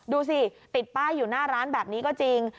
ดูสิติดป้ายอยู่หน้าร้านแบบนี้ก็จริง